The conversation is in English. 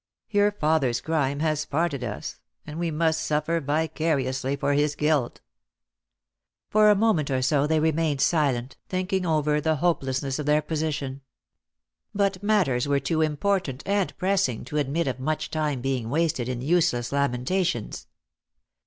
Your father's crime has parted us, and we must suffer vicariously for his guilt." For a moment or so they remained silent, thinking over the hopelessness of their position. But matters were too important and pressing to admit of much time being wasted in useless lamentations.